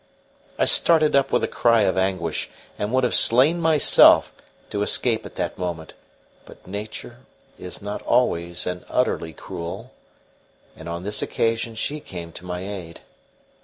I started up with a cry of anguish, and would have slain myself to escape at that moment; but Nature is not always and utterly cruel, and on this occasion she came to my aid.